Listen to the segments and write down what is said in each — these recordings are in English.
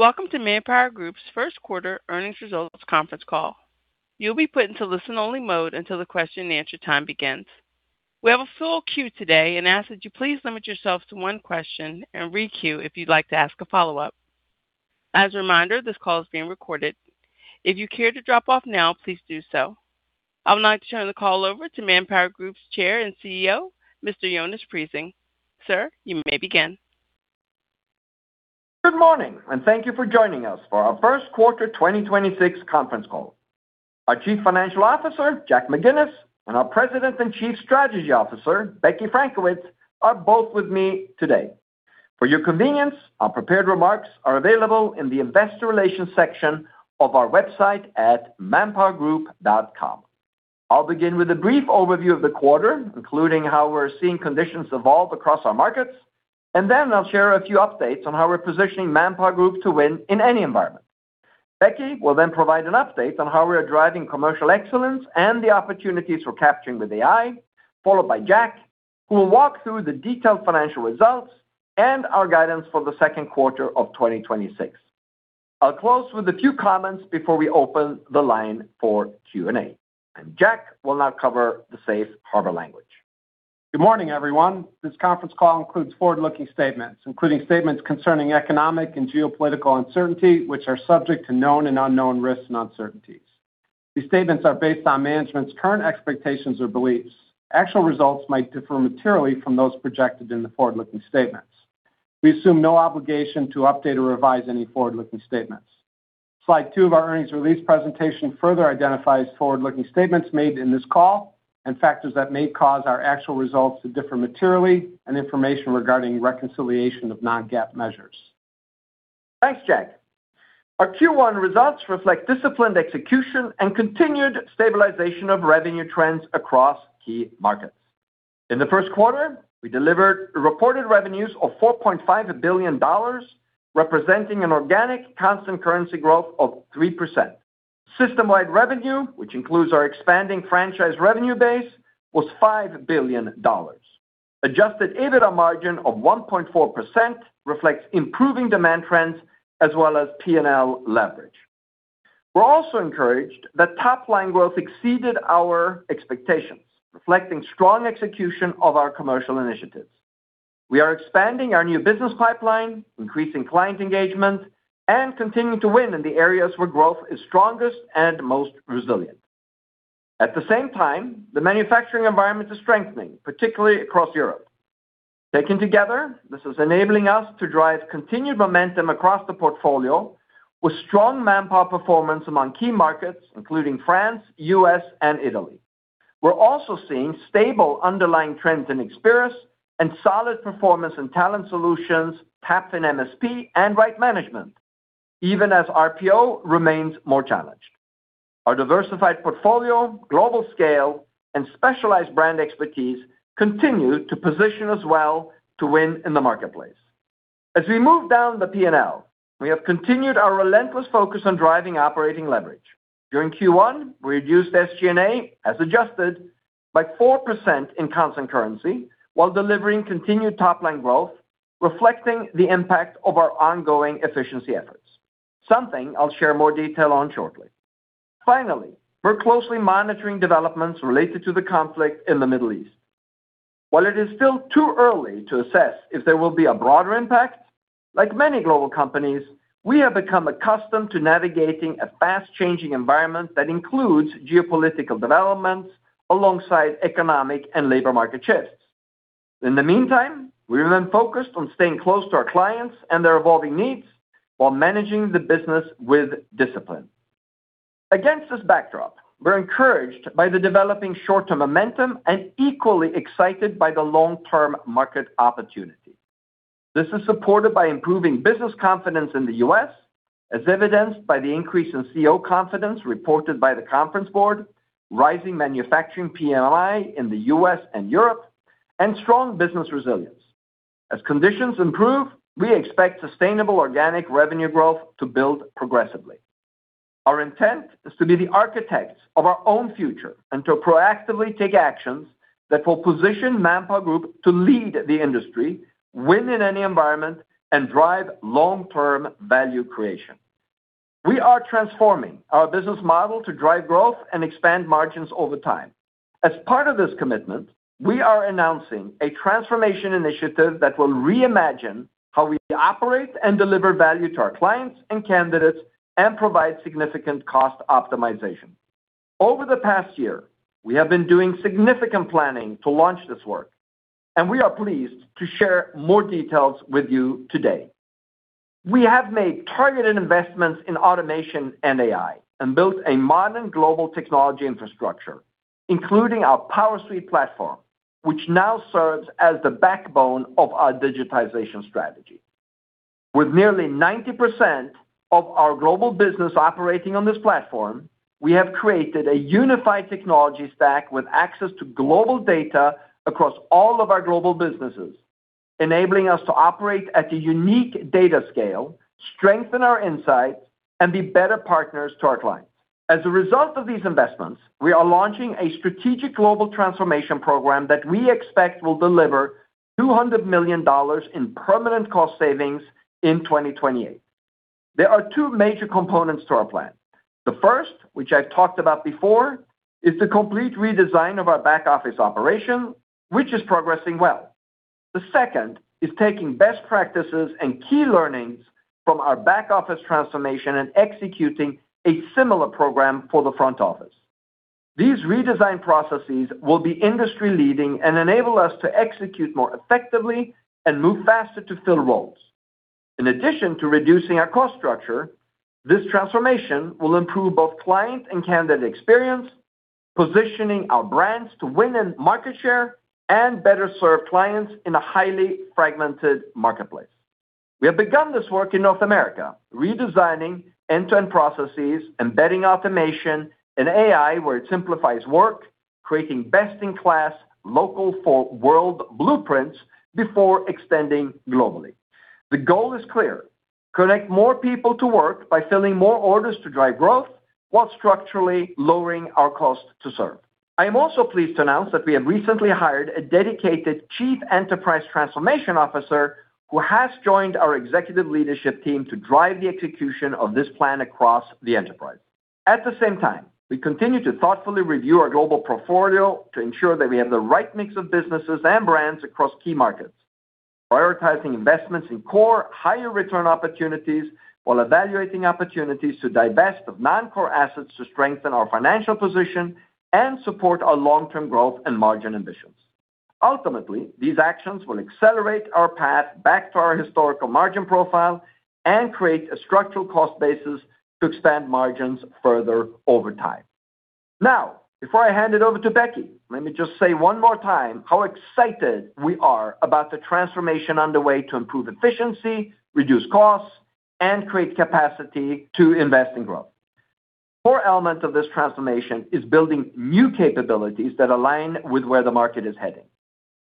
Welcome to ManpowerGroup's Q1 earnings results conference call. You'll be put into listen-only mode until the question and answer time begins. We have a full queue today and ask that you please limit yourself to one question and re-queue if you'd like to ask a follow-up. As a reminder, this call is being recorded. If you care to drop off now, please do so. I would like to turn the call over to ManpowerGroup's Chair and CEO, Mr. Jonas Prising. Sir, you may begin. Good morning, and thank you for joining us for our Q1 2026 conference call. Our Chief Financial Officer, Jack McGinnis, and our President and Chief Strategy Officer, Becky Frankiewicz, are both with me today. For your convenience, our prepared remarks are available in the investor relations section of our website at manpowergroup.com. I'll begin with a brief overview of the quarter, including how we're seeing conditions evolve across our markets, and then I'll share a few updates on how we're positioning ManpowerGroup to win in any environment. Becky will then provide an update on how we are driving commercial excellence and the opportunities we're capturing with AI, followed by Jack, who will walk through the detailed financial results and our guidance for the Q2 of 2026. I'll close with a few comments before we open the line for Q&A. Jack will now cover the safe harbor language. Good morning, everyone. This conference call includes forward-looking statements, including statements concerning economic and geopolitical uncertainty, which are subject to known and unknown risks and uncertainties. These statements are based on management's current expectations or beliefs. Actual results might differ materially from those projected in the forward-looking statements. We assume no obligation to update or revise any forward-looking statements. Slide two of our earnings release presentation further identifies forward-looking statements made in this call and factors that may cause our actual results to differ materially and information regarding reconciliation of non-GAAP measures. Thanks, Jack. Our Q1 results reflect disciplined execution and continued stabilization of revenue trends across key markets. In the Q1, we delivered reported revenues of $4.5 billion, representing an organic constant currency growth of 3%. System-wide revenue, which includes our expanding franchise revenue base, was $5 billion. Adjusted EBITDA margin of 1.4% reflects improving demand trends as well as P&L leverage. We're also encouraged that top-line growth exceeded our expectations, reflecting strong execution of our commercial initiatives. We are expanding our new business pipeline, increasing client engagement, and continuing to win in the areas where growth is strongest and most resilient. At the same time, the manufacturing environment is strengthening, particularly across Europe. Taken together, this is enabling us to drive continued momentum across the portfolio with strong Manpower performance among key markets, including France, U.S., and Italy. We're also seeing stable underlying trends in Experis and solid performance in Talent Solutions, tap in MSP, and Right Management, even as RPO remains more challenged. Our diversified portfolio, global scale, and specialized brand expertise continue to position us well to win in the marketplace. As we move down the P&L, we have continued our relentless focus on driving operating leverage. During Q1, we reduced SG&A, as adjusted, by 4% in constant currency while delivering continued top-line growth, reflecting the impact of our ongoing efficiency efforts. Something I'll share more detail on shortly. Finally, we're closely monitoring developments related to the conflict in the Middle East. While it is still too early to assess if there will be a broader impact, like many global companies, we have become accustomed to navigating a fast-changing environment that includes geopolitical developments alongside economic and labor market shifts. In the meantime, we remain focused on staying close to our clients and their evolving needs while managing the business with discipline. Against this backdrop, we're encouraged by the developing short-term momentum and equally excited by the long-term market opportunity. This is supported by improving business confidence in the U.S., as evidenced by the increase in CEO Confidence reported by the Conference Board, rising manufacturing PMI in the U.S. and Europe, and strong business resilience. As conditions improve, we expect sustainable organic revenue growth to build progressively. Our intent is to be the architects of our own future and to proactively take actions that will position ManpowerGroup to lead the industry, win in any environment, and drive long-term value creation. We are transforming our business model to drive growth and expand margins over time. As part of this commitment, we are announcing a transformation initiative that will reimagine how we operate and deliver value to our clients and candidates and provide significant cost optimization. Over the past year, we have been doing significant planning to launch this work, and we are pleased to share more details with you today. We have made targeted investments in automation and AI and built a modern global technology infrastructure, including our PowerSuite platform, which now serves as the backbone of our digitization strategy. With nearly 90% of our global business operating on this platform, we have created a unified technology stack with access to global data across all of our global businesses, enabling us to operate at a unique data scale, strengthen our insight, and be better partners to our clients. As a result of these investments, we are launching a strategic global transformation program that we expect will deliver $200 million in permanent cost savings in 2028. There are two major components to our plan. The first, which I've talked about before, is the complete redesign of our back-office operation, which is progressing well. The second is taking best practices and key learnings from our back-office transformation and executing a similar program for the front office. These redesign processes will be industry-leading and enable us to execute more effectively and move faster to fill roles. In addition to reducing our cost structure, this transformation will improve both client and candidate experience, positioning our brands to win in market share, and better serve clients in a highly fragmented marketplace. We have begun this work in North America, redesigning end-to-end processes, embedding automation and AI where it simplifies work, creating best-in-class local for world blueprints before extending globally. The goal is clear: connect more people to work by filling more orders to drive growth while structurally lowering our cost to serve. I am also pleased to announce that we have recently hired a dedicated chief enterprise transformation officer who has joined our executive leadership team to drive the execution of this plan across the enterprise. At the same time, we continue to thoughtfully review our global portfolio to ensure that we have the right mix of businesses and brands across key markets, prioritizing investments in core, higher-return opportunities while evaluating opportunities to divest of non-core assets to strengthen our financial position and support our long-term growth and margin ambitions. Ultimately, these actions will accelerate our path back to our historical margin profile and create a structural cost basis to expand margins further over time. Now, before I hand it over to Becky, let me just say one more time how excited we are about the transformation underway to improve efficiency, reduce costs, and create capacity to invest in growth. Core element of this transformation is building new capabilities that align with where the market is heading.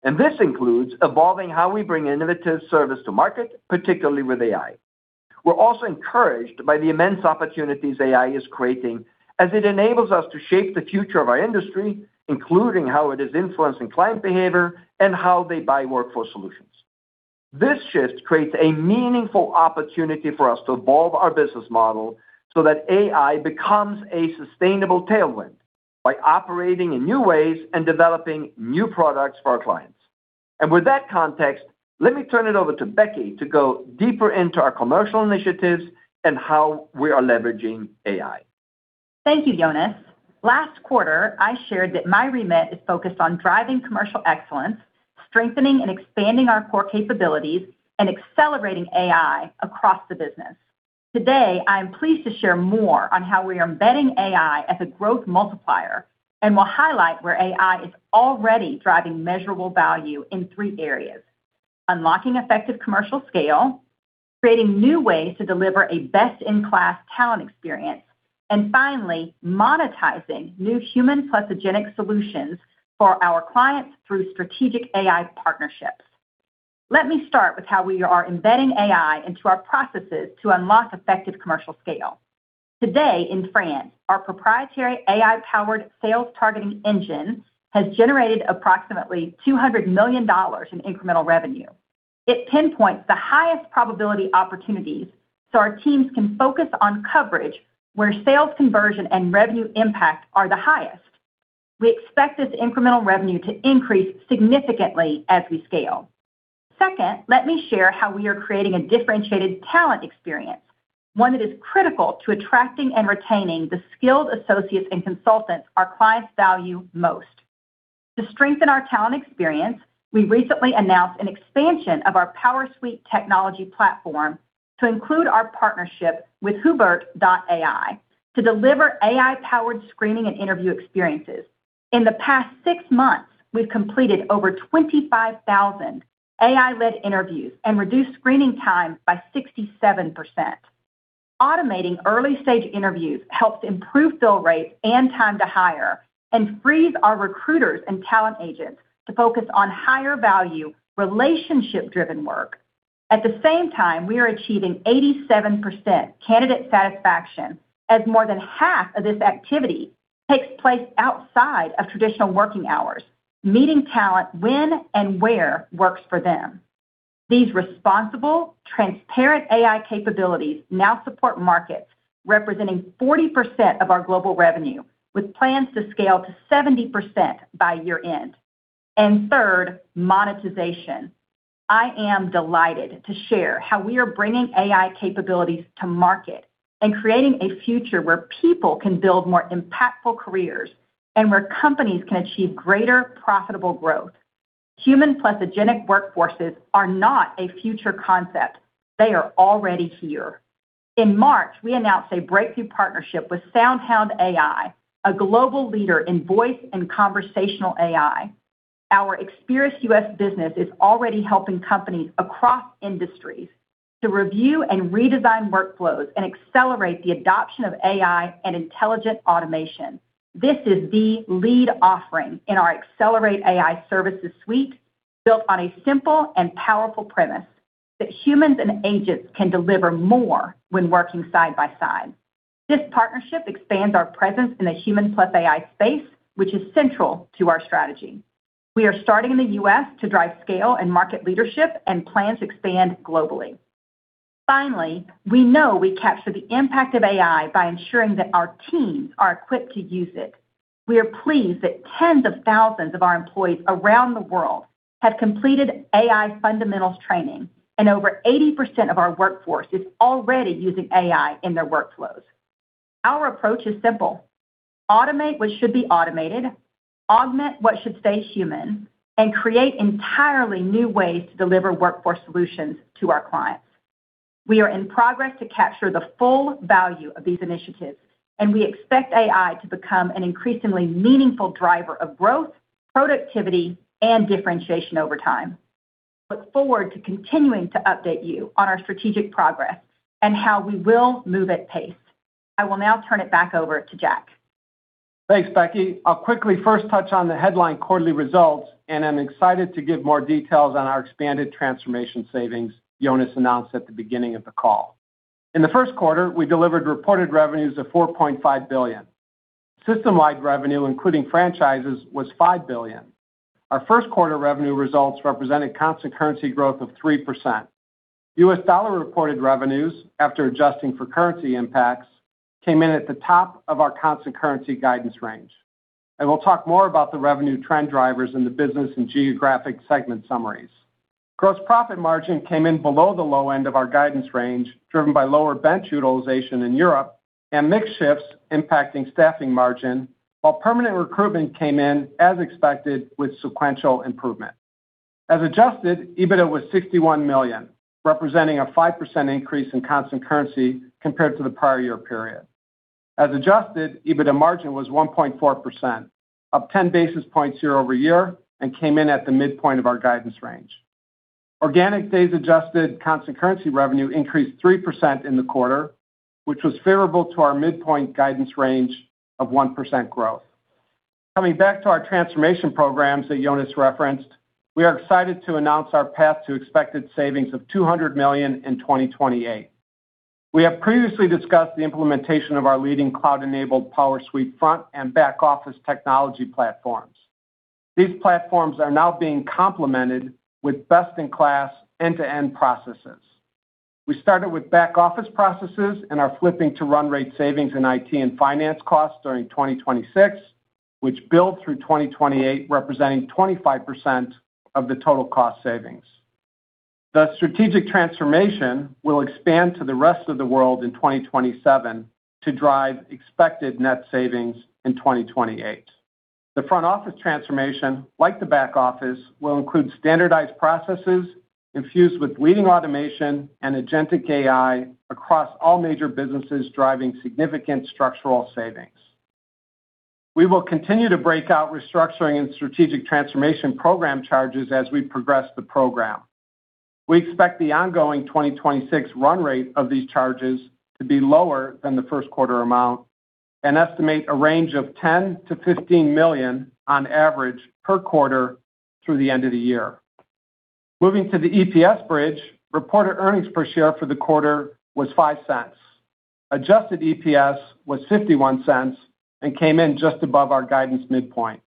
This includes evolving how we bring innovative service to market, particularly with AI. We're also encouraged by the immense opportunities AI is creating as it enables us to shape the future of our industry, including how it is influencing client behavior and how they buy workforce solutions. This shift creates a meaningful opportunity for us to evolve our business model so that AI becomes a sustainable tailwind by operating in new ways and developing new products for our clients. With that context, let me turn it over to Becky to go deeper into our commercial initiatives and how we are leveraging AI. Thank you, Jonas. Last quarter, I shared that my remit is focused on driving commercial excellence, strengthening and expanding our core capabilities, and accelerating AI across the business. Today, I am pleased to share more on how we are embedding AI as a growth multiplier and will highlight where AI is already driving measurable value in three areas, unlocking effective commercial scale, creating new ways to deliver a best-in-class talent experience, and finally, monetizing new human-plus-agentic solutions for our clients through strategic AI partnerships. Let me start with how we are embedding AI into our processes to unlock effective commercial scale. Today in France, our proprietary AI-powered sales targeting engine has generated approximately $200 million in incremental revenue. It pinpoints the highest probability opportunities so our teams can focus on coverage where sales conversion and revenue impact are the highest. We expect this incremental revenue to increase significantly as we scale. Second, let me share how we are creating a differentiated talent experience, one that is critical to attracting and retaining the skilled associates and consultants our clients value most. To strengthen our talent experience, we recently announced an expansion of our PowerSuite technology platform to include our partnership with Hubert.ai to deliver AI-powered screening and interview experiences. In the past six months, we've completed over 25,000 AI-led interviews and reduced screening time by 67%. Automating early-stage interviews helps improve fill rates and time to hire and frees our recruiters and talent agents to focus on higher-value, relationship-driven work. At the same time, we are achieving 87% candidate satisfaction, as more than half of this activity takes place outside of traditional working hours, meeting talent when and where works for them. These responsible, transparent AI capabilities now support markets representing 40% of our global revenue, with plans to scale to 70% by year-end. Third, monetization. I am delighted to share how we are bringing AI capabilities to market and creating a future where people can build more impactful careers and where companies can achieve greater profitable growth. Human-plus-agentic workforces are not a future concept. They are already here. In March, we announced a breakthrough partnership with SoundHound AI, a global leader in voice and conversational AI. Our Experis U.S. business is already helping companies across industries to review and redesign workflows and accelerate the adoption of AI and intelligent automation. This is the lead offering in our Accelerate AI services suite, built on a simple and powerful premise that humans and agents can deliver more when working side by side. This partnership expands our presence in the human plus AI space, which is central to our strategy. We are starting in the U.S. to drive scale and market leadership and plan to expand globally. Finally, we know we capture the impact of AI by ensuring that our teams are equipped to use it. We are pleased that tens of thousands of our employees around the world have completed AI fundamentals training, and over 80% of our workforce is already using AI in their workflows. Our approach is simple. Automate what should be automated, augment what should stay human, and create entirely new ways to deliver workforce solutions to our clients. We are in progress to capture the full value of these initiatives, and we expect AI to become an increasingly meaningful driver of growth, productivity, and differentiation over time. Look forward to continuing to update you on our strategic progress and how we will move at pace. I will now turn it back over to Jack. Thanks, Becky. I'll quickly first touch on the headline quarterly results, and I'm excited to give more details on our expanded transformation savings Jonas announced at the beginning of the call. In the Q1, we delivered reported revenues of $4.5 billion. System-wide revenue, including franchises, was $5 billion. Our Q1 revenue results represented constant currency growth of 3%. US dollar-reported revenues, after adjusting for currency impacts, came in at the top of our constant currency guidance range. We'll talk more about the revenue trend drivers in the business and geographic segment summaries. Gross profit margin came in below the low end of our guidance range, driven by lower bench utilization in Europe and mix shifts impacting staffing margin, while permanent recruitment came in as expected with sequential improvement. As adjusted, EBITDA was $61 million, representing a 5% increase in constant currency compared to the prior year period. As adjusted, EBITDA margin was 1.4%, up 10 basis points year over year and came in at the midpoint of our guidance range. Organic days adjusted constant currency revenue increased 3% in the quarter, which was favorable to our midpoint guidance range of 1% growth. Coming back to our transformation programs that Jonas referenced, we are excited to announce our path to expected savings of $200 million in 2028. We have previously discussed the implementation of our leading cloud-enabled PowerSuite front and back-office technology platforms. These platforms are now being complemented with best-in-class end-to-end processes. We started with back-office processes and are flipping to run rate savings in IT and finance costs during 2026, which build through 2028, representing 25% of the total cost savings. The strategic transformation will expand to the rest of the world in 2027 to drive expected net savings in 2028. The front-office transformation, like the back office, will include standardized processes infused with leading automation and agentic AI across all major businesses, driving significant structural savings. We will continue to break out restructuring and strategic transformation program charges as we progress the program. We expect the ongoing 2026 run rate of these charges to be lower than the Q1 amount and estimate a range of $10 million-$15 million on average per quarter through the end of the year. Moving to the EPS bridge, reported earnings per share for the quarter was $0.05. Adjusted EPS was $0.51 and came in just above our guidance midpoint.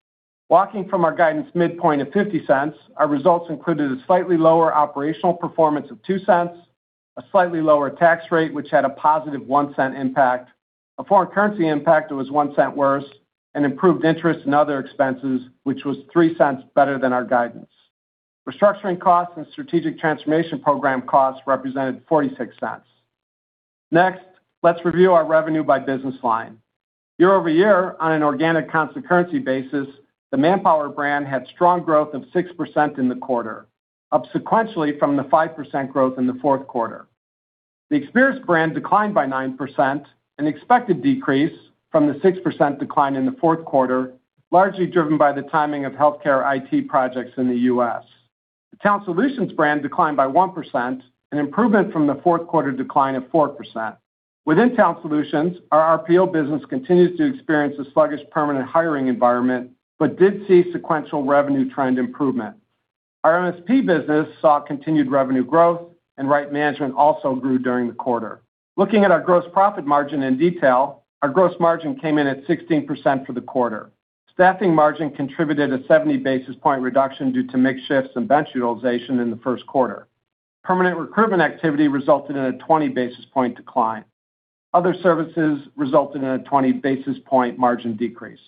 Working from our guidance midpoint of $0.50, our results included a slightly lower operational performance of $0.02, a slightly lower tax rate, which had a positive $0.01 impact, a foreign currency impact that was $0.01 worse, and improved interest and other expenses, which was $0.03 better than our guidance. Restructuring costs and strategic transformation program costs represented $0.46. Next, let's review our revenue by business line. Year-over-year on an organic constant-currency basis, the Manpower brand had strong growth of 6% in the quarter, up sequentially from the 5% growth in the Q4. The Experis brand declined by 9%, an expected decrease from the 6% decline in the Q4, largely driven by the timing of healthcare IT projects in the U.S. The Talent Solutions brand declined by 1%, an improvement from the Q4 decline of 4%. Within Talent Solutions, our RPO business continues to experience a sluggish permanent hiring environment but did see sequential revenue trend improvement. Our MSP business saw continued revenue growth, and Right Management also grew during the quarter. Looking at our gross profit margin in detail, our gross margin came in at 16% for the quarter. Staffing margin contributed a 70 basis points reduction due to mix shifts and bench utilization in the Q1. Permanent recruitment activity resulted in a 20 basis points decline. Other services resulted in a 20 basis points margin decrease.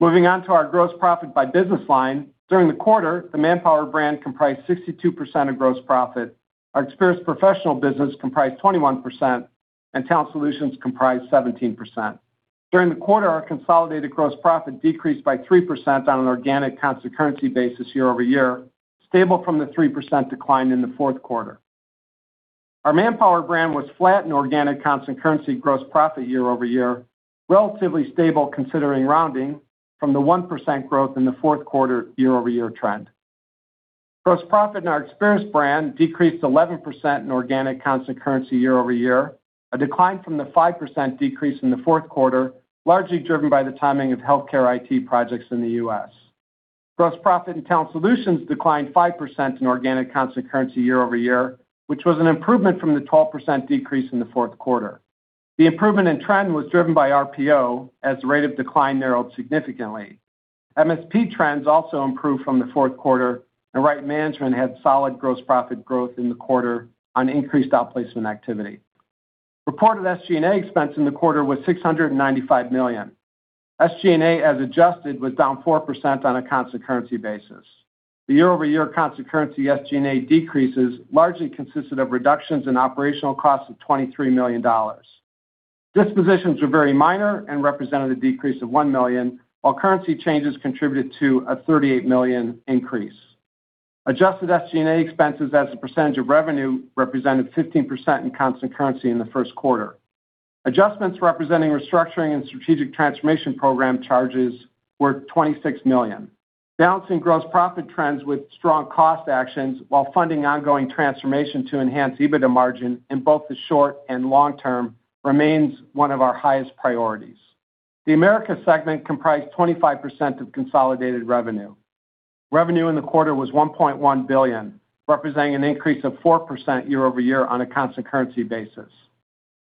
Moving on to our gross profit by business line. During the quarter, the Manpower brand comprised 62% of gross profit. Our Experis professional business comprised 21%, and Talent Solutions comprised 17%. During the quarter, our consolidated gross profit decreased by 3% on an organic constant currency basis year over year, stable from the 3% decline in the Q4. Our Manpower brand was flat in organic constant-currency gross profit year-over-year, relatively stable considering rounding from the 1% growth in the Q4 year-over-year trend. Gross profit in our Experis brand decreased 11% in organic constant-currency year-over-year, a decline from the 5% decrease in the Q4, largely driven by the timing of healthcare IT projects in the U.S. Gross profit in Talent Solutions declined 5% in organic constant-currency year-over-year, which was an improvement from the 12% decrease in the Q4. The improvement in trend was driven by RPO as the rate of decline narrowed significantly. MSP trends also improved from the Q4, and Right Management had solid gross profit growth in the quarter on increased outplacement activity. Reported SG&A expense in the quarter was $695 million. SG&A as adjusted was down 4% on a constant-currency basis. The year-over-year constant currency SG&A decreases largely consisted of reductions in operational costs of $23 million. Dispositions were very minor and represented a decrease of $1 million, while currency changes contributed to a $38 million increase. Adjusted SG&A expenses as a percentage of revenue represented 15% in constant currency in the Q1. Adjustments representing restructuring and strategic transformation program charges were $26 million. Balancing gross profit trends with strong cost actions while funding ongoing transformation to enhance EBITDA margin in both the short and long term remains one of our highest priorities. The Americas segment comprised 25% of consolidated revenue. Revenue in the quarter was $1.1 billion, representing an increase of 4% year-over-year on a constant currency basis.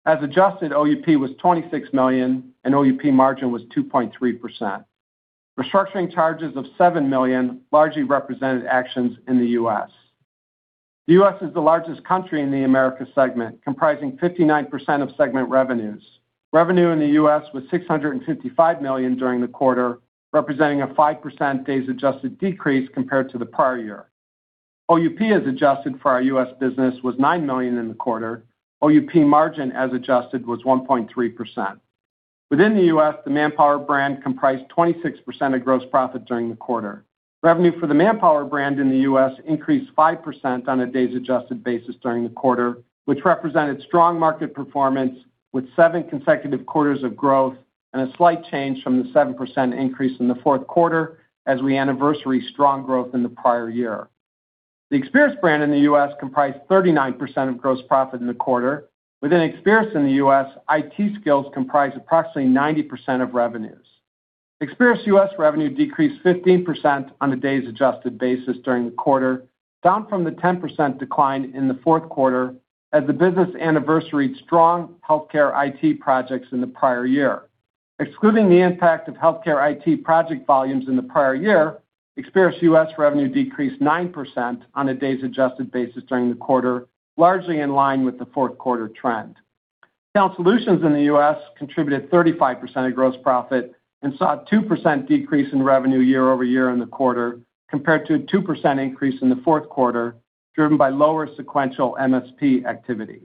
As adjusted, OUP was $26 million and OUP margin was 2.3%. Restructuring charges of $7 million largely represented actions in the U.S. The U.S. is the largest country in the Americas segment, comprising 59% of segment revenues. Revenue in the U.S. was $655 million during the quarter, representing a 5% days adjusted decrease compared to the prior year. OUP as adjusted for our U.S. business was $9 million in the quarter. OUP margin as adjusted was 1.3%. Within the U.S., the Manpower brand comprised 26% of gross profit during the quarter. Revenue for the Manpower brand in the U.S. increased 5% on a days adjusted basis during the quarter, which represented strong market performance with seven consecutive quarters of growth and a slight change from the 7% increase in the Q4 as we anniversary strong growth in the prior year. The Experis brand in the U.S. comprised 39% of gross profit in the quarter. Within Experis in the U.S., IT skills comprised approximately 90% of revenues. Experis U.S. revenue decreased 15% on a days-adjusted basis during the quarter, down from the 10% decline in the Q4 as the business anniversaried strong healthcare IT projects in the prior year. Excluding the impact of healthcare IT project volumes in the prior year, Experis U.S. revenue decreased 9% on a days-adjusted basis during the quarter, largely in line with the Q4 trend. Talent Solutions in the U.S. contributed 35% of gross profit and saw a 2% decrease in revenue year-over-year in the quarter, compared to a 2% increase in the Q4, driven by lower sequential MSP activity.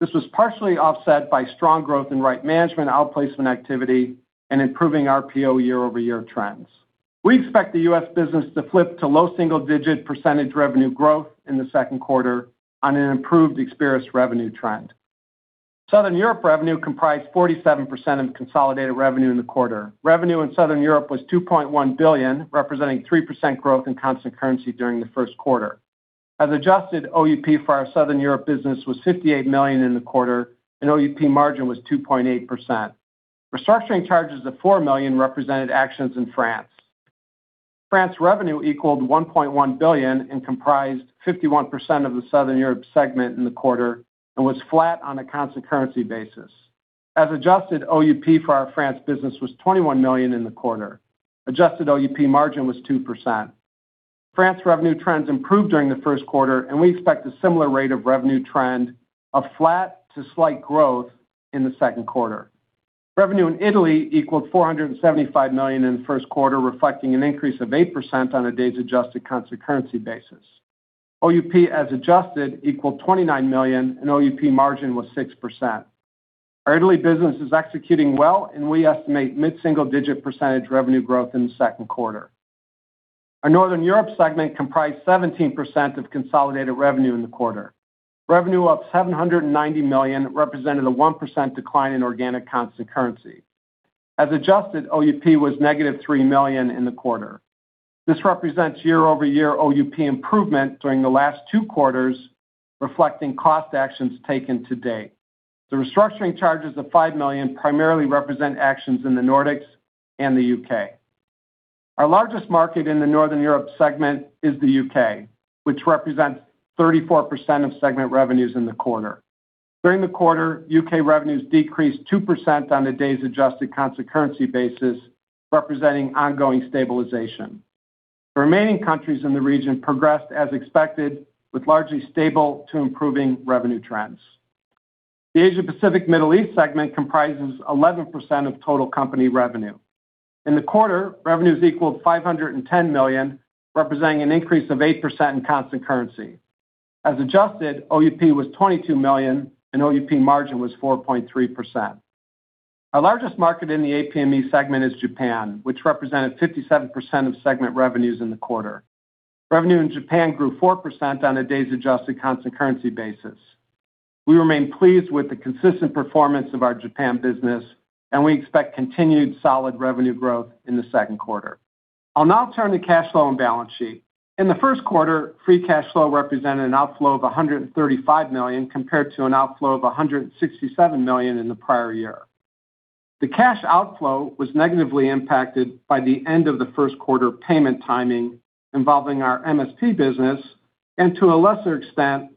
This was partially offset by strong growth in Right Management outplacement activity and improving RPO year-over-year trends. We expect the U.S. business to flip to low single-digit percentage revenue growth in the Q2 on an improved Experis revenue trend. Southern Europe revenue comprised 47% of consolidated revenue in the quarter. Revenue in Southern Europe was $2.1 billion, representing 3% growth in constant currency during the Q1. As adjusted, OUP for our Southern Europe business was $58 million in the quarter, and OUP margin was 2.8%. Restructuring charges of $4 million represented actions in France. France revenue equaled $1.1 billion and comprised 51% of the Southern Europe segment in the quarter and was flat on a constant currency basis. As adjusted, OUP for our France business was $21 million in the quarter. Adjusted OUP margin was 2%. France revenue trends improved during the Q1, and we expect a similar rate of revenue trend of flat to slight growth in the Q2. Revenue in Italy equaled $475 million in the Q1, reflecting an increase of 8% on a days adjusted constant currency basis. OUP as adjusted equaled $29 million, and OUP margin was 6%. Our Italy business is executing well, and we estimate mid-single digit percentage revenue growth in the Q2. Our Northern Europe segment comprised 17% of consolidated revenue in the quarter. Revenue up $790 million represented a 1% decline in organic constant currency. As adjusted, OUP was -$3 million in the quarter. This represents year-over-year OUP improvement during the last two quarters, reflecting cost actions taken to date. The restructuring charges of $5 million primarily represent actions in the Nordics and the U.K. Our largest market in the Northern Europe segment is the U.K., which represents 34% of segment revenues in the quarter. During the quarter, U.K. revenues decreased 2% on a days adjusted constant currency basis, representing ongoing stabilization. The remaining countries in the region progressed as expected, with largely stable to improving revenue trends. The Asia Pacific Middle East segment comprises 11% of total company revenue. In the quarter, revenues equaled $510 million, representing an increase of 8% in constant currency. As adjusted, OUP was $22 million, and OUP margin was 4.3%. Our largest market in the APME segment is Japan, which represented 57% of segment revenues in the quarter. Revenue in Japan grew 4% on a days adjusted constant currency basis. We remain pleased with the consistent performance of our Japan business, and we expect continued solid revenue growth in the Q2. I'll now turn to cash flow and balance sheet. In the Q1, free cash flow represented an outflow of $135 million compared to an outflow of $167 million in the prior year. The cash outflow was negatively impacted by the end of the Q1 payment timing involving our MSP business and, to a lesser extent,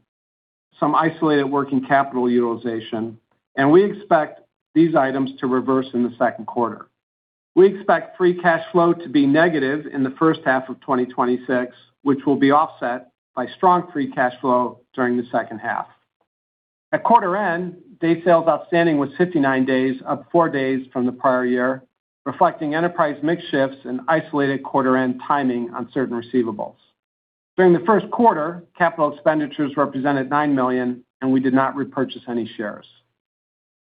some isolated working capital utilization, and we expect these items to reverse in the Q2. We expect free cash flow to be negative in the H1 of 2026, which will be offset by strong free cash flow during the H2. At quarter end, day sales outstanding was 59 days, up four days from the prior year, reflecting enterprise mix shifts and isolated quarter end timing on certain receivables. During the Q1, capital expenditures represented $9 million, and we did not repurchase any shares.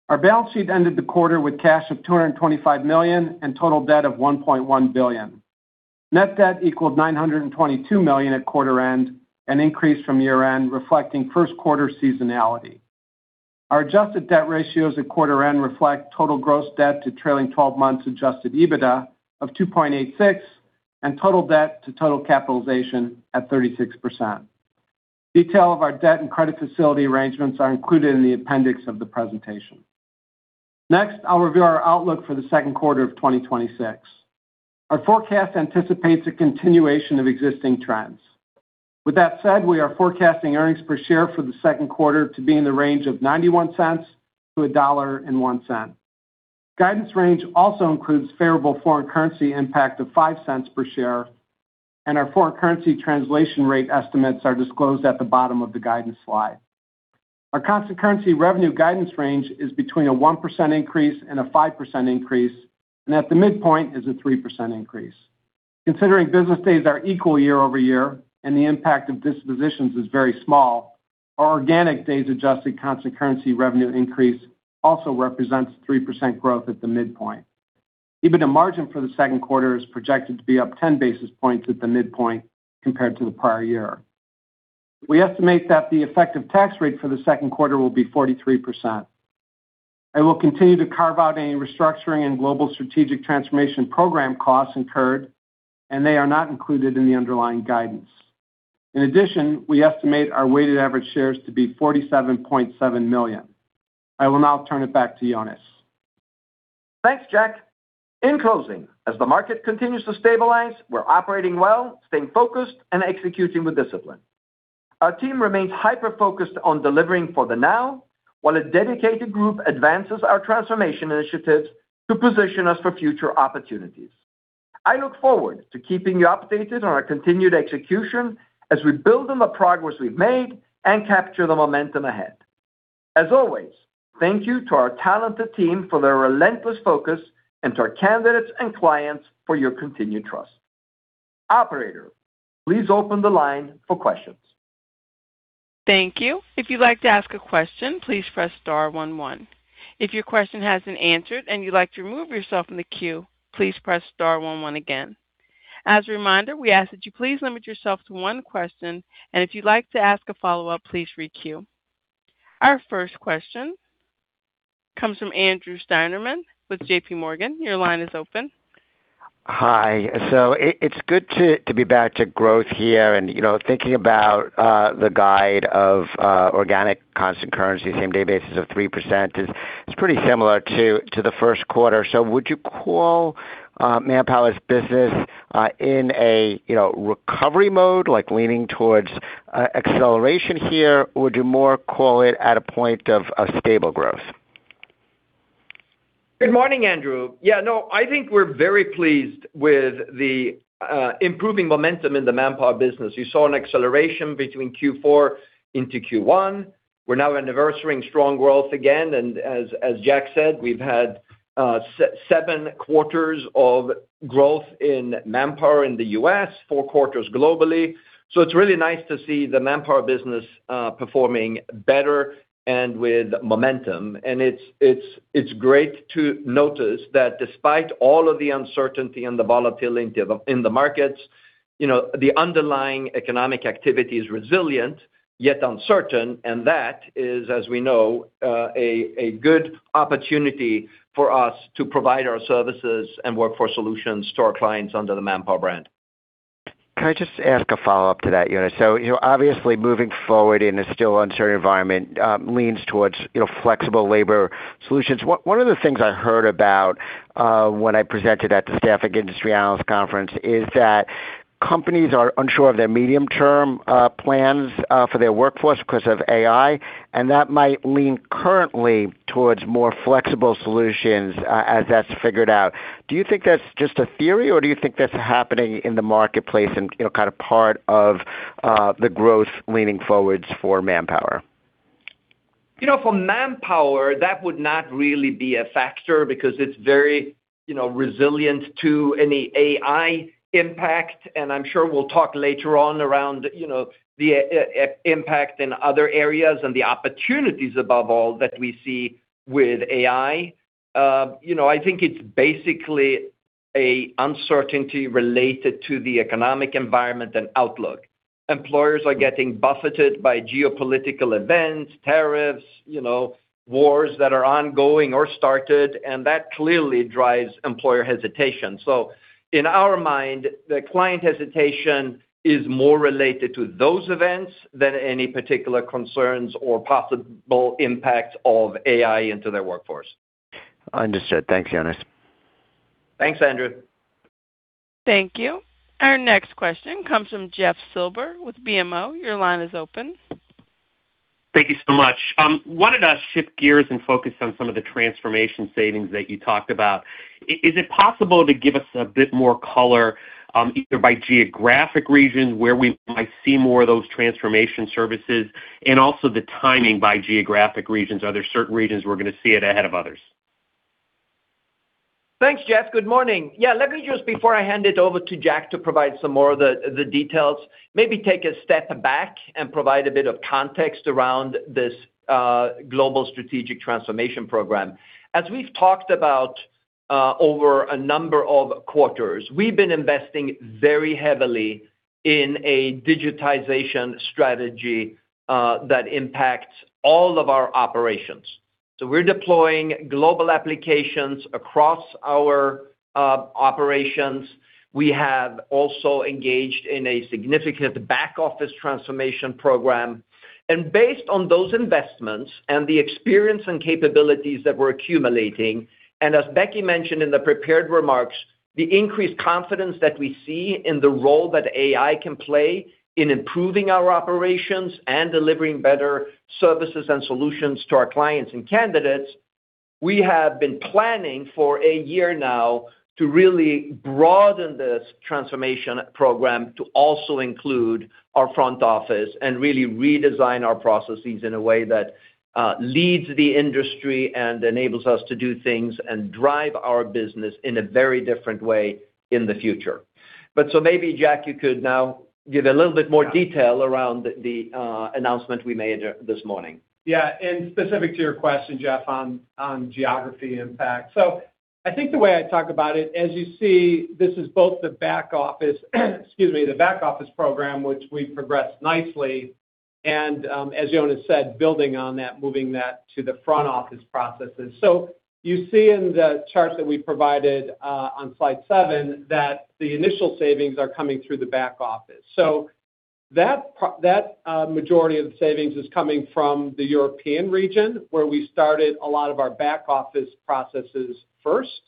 Our balance sheet ended the quarter with cash of $225 million and total debt of $1.1 billion. Net debt equaled $922 million at quarter end, an increase from year-end reflecting Q1 seasonality. Our adjusted debt ratios at quarter end reflect total gross debt to trailing 12 months adjusted EBITDA of 2.86 and total debt to total capitalization at 36%. Detail of our debt and credit facility arrangements are included in the appendix of the presentation. Next, I'll review our outlook for the Q2 of 2026. Our forecast anticipates a continuation of existing trends. With that said, we are forecasting earnings per share for the Q2 to be in the range of $0.91-$1.1. Guidance range also includes favorable foreign currency impact of $0.05 per share, and our foreign currency translation rate estimates are disclosed at the bottom of the guidance slide. Our constant currency revenue guidance range is between a 1% increase and a 5% increase, and at the midpoint is a 3% increase. Considering business days are equal year-over-year and the impact of dispositions is very small, our organic days-adjusted constant currency revenue increase also represents 3% growth at the midpoint. EBITDA margin for the Q2 is projected to be up 10 basis points at the midpoint compared to the prior year. We estimate that the effective tax rate for the Q2 will be 43%. I will continue to carve out any restructuring and global strategic transformation program costs incurred, and they are not included in the underlying guidance. In addition, we estimate our weighted average shares to be 47.7 million. I will now turn it back to Jonas. Thanks, Jack. In closing, as the market continues to stabilize, we're operating well, staying focused, and executing with discipline. Our team remains hyper-focused on delivering for the now, while a dedicated group advances our transformation initiatives to position us for future opportunities. I look forward to keeping you updated on our continued execution as we build on the progress we've made and capture the momentum ahead. As always, thank you to our talented team for their relentless focus and to our candidates and clients for your continued trust. Operator, please open the line for questions. Thank you. If you'd like to ask a question, please press star one one. If your question has been answered and you'd like to remove yourself from the queue, please press star one one again. As a reminder, we ask that you please limit yourself to one question, and if you'd like to ask a follow-up, please re-queue. Our first question comes from Andrew Steinerman with JPMorgan. Your line is open. Hi. It's good to be back to growth here and thinking about the guide of organic constant currency same-day basis of 3% is pretty similar to the Q1. Would you call Manpower's business in a recovery mode, like leaning towards acceleration here, or would you more call it at a point of a stable growth? Good morning, Andrew. Yeah, no, I think we're very pleased with the improving momentum in the Manpower business. You saw an acceleration between Q4 into Q1. We're now anniversarying strong growth again, and as Jack said, we've had seven quarters of growth in Manpower in the U.S., four quarters globally. So it's really nice to see the Manpower business performing better and with momentum. It's great to notice that despite all of the uncertainty and the volatility in the markets, the underlying economic activity is resilient, yet uncertain, and that is, as we know, a good opportunity for us to provide our services and workforce solutions to our clients under the Manpower brand. Can I just ask a follow-up to that, Jonas? Obviously, moving forward in a still uncertain environment leans towards flexible labor solutions. One of the things I heard about when I presented at the Staffing Industry Analysts Conference is that companies are unsure of their medium-term plans for their workforce because of AI, and that might lean currently towards more flexible solutions, as that's figured out. Do you think that's just a theory, or do you think that's happening in the marketplace and kind of part of the growth leaning forwards for Manpower? For Manpower, that would not really be a factor because it's very resilient to any AI impact, and I'm sure we'll talk later on around the impact in other areas and the opportunities above all that we see with AI. I think it's basically an uncertainty related to the economic environment and outlook. Employers are getting buffeted by geopolitical events, tariffs, wars that are ongoing or started, and that clearly drives employer hesitation. In our mind, the client hesitation is more related to those events than any particular concerns or possible impacts of AI into their workforce. Understood. Thanks, Jonas. Thanks, Andrew. Thank you. Our next question comes from Jeff Silber with BMO. Your line is open. Thank you so much. I wanted to shift gears and focus on some of the transformation savings that you talked about. Is it possible to give us a bit more color, either by geographic region, where we might see more of those transformation services and also the timing by geographic regions? Are there certain regions we're going to see it ahead of others? Thanks, Jeff. Good morning. Yeah, let me just, before I hand it over to Jack to provide some more of the details, maybe take a step back and provide a bit of context around this global strategic transformation program. As we've talked about over a number of quarters, we've been investing very heavily in a digitization strategy that impacts all of our operations. We're deploying global applications across our operations. We have also engaged in a significant back office transformation program, and based on those investments and the experience and capabilities that we're accumulating, and as Becky mentioned in the prepared remarks, the increased confidence that we see in the role that AI can play in improving our operations and delivering better services and solutions to our clients and candidates. We have been planning for a year now to really broaden this transformation program to also include our front office and really redesign our processes in a way that leads the industry and enables us to do things and drive our business in a very different way in the future. Maybe, Jack, you could now give a little bit more detail around the announcement we made this morning. Yeah. Specific to your question, Jeff, on geography impact. I think the way I talk about it, as you see, this is both the back office program which we've progressed nicely and, as Jonas said, building on that, moving that to the front office processes. You see in the chart that we provided on slide seven that the initial savings are coming through the back office. That majority of the savings is coming from the European region where we started a lot of our back office processes first,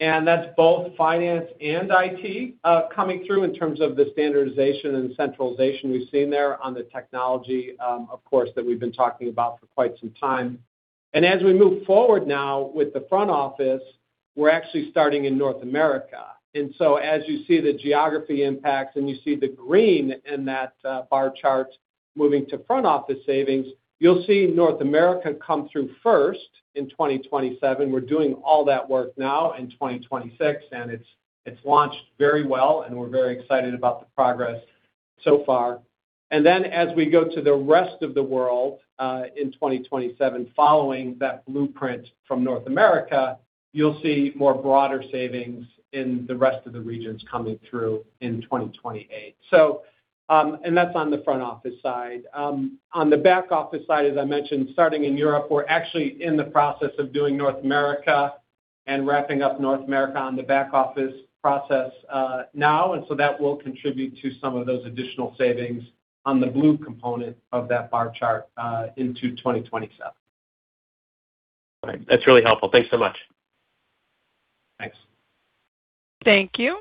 and that's both finance and IT coming through in terms of the standardization and centralization we've seen there on the technology, of course, that we've been talking about for quite some time. As we move forward now with the front office, we're actually starting in North America. As you see the geography impacts and you see the green in that bar chart moving to front office savings, you'll see North America come through first in 2027. We're doing all that work now in 2026, and it's launched very well and we're very excited about the progress so far. As we go to the rest of the world, in 2027, following that blueprint from North America, you'll see more broader savings in the rest of the regions coming through in 2028. That's on the front office side. On the back office side, as I mentioned, starting in Europe, we're actually in the process of doing North America and wrapping up North America on the back office process now. That will contribute to some of those additional savings on the blue component of that bar chart into 2027. That's really helpful. Thanks so much. Thanks. Thank you.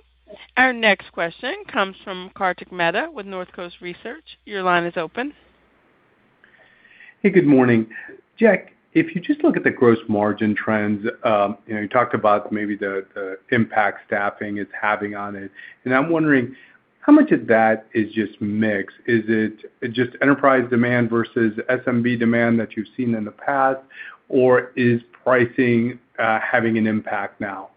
Our next question comes from Kartik Mehta with Northcoast Research. Your line is open. Hey, good morning. Jack, if you just look at the gross margin trends, you talked about maybe the impact staffing is having on it, and I'm wondering how much of that is just mix. Is it just enterprise demand versus SMB demand that you've seen in the past, or is pricing having an impact now?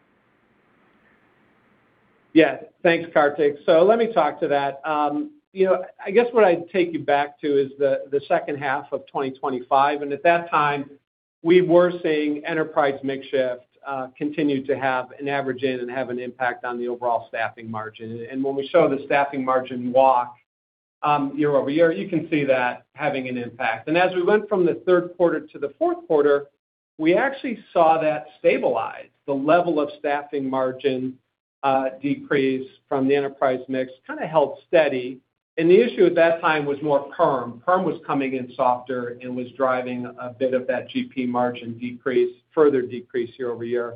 Yeah. Thanks, Kartik. Let me talk to that. I guess what I'd take you back to is the H2 of 2025, and at that time we were seeing enterprise mix shift continue to have an adverse impact on the overall staffing margin. When we show the staffing margin walk year-over-year, you can see that having an impact. As we went from the Q3 to the Q4, we actually saw that stabilize. The level of staffing margin decrease from the enterprise mix kind of held steady. The issue at that time was more perm. Perm was coming in softer and was driving a bit of that GP margin further decrease year-over-year.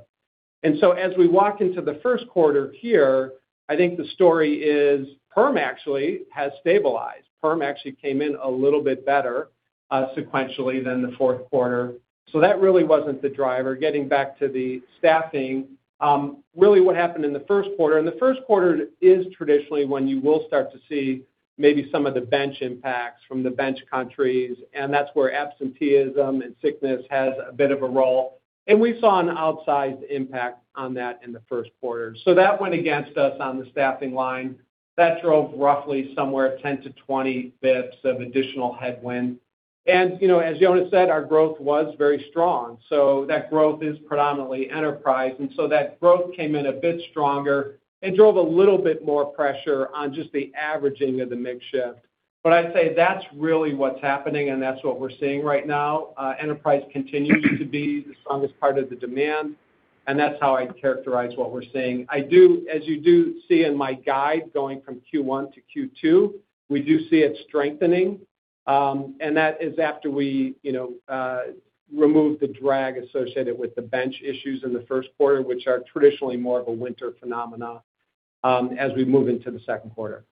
As we walk into the Q1 here, I think the story is perm actually has stabilized. Perm actually came in a little bit better sequentially than the Q4. That really wasn't the driver. Getting back to the staffing, really what happened in the Q1, and the Q1 is traditionally when you will start to see maybe some of the bench impacts from the bench countries, and that's where absenteeism and sickness has a bit of a role. We saw an outsized impact on that in the Q1. That went against us on the staffing line. That drove roughly somewhere 10 basis points-20 basis points of additional headwind. As Jonas said, our growth was very strong. That growth is predominantly enterprise. That growth came in a bit stronger and drove a little bit more pressure on just the averaging of the mix shift. I'd say that's really what's happening and that's what we're seeing right now. Enterprise continues to be the strongest part of the demand, and that's how I'd characterize what we're seeing. As you do see in my guide, going from Q1 to Q2, we do see it strengthening. That is after we remove the drag associated with the bench issues in the Q1, which are traditionally more of a winter phenomenon as we move into the Q2.